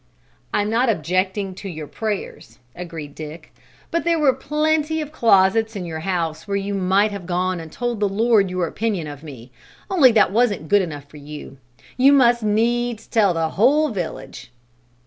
"I'm not objecting to your prayers," agreed Dick, "but there were plenty of closets in your house where you might have gone and told the Lord your opinion of me; only that wasn't good enough for you; you must needs tell the whole village!"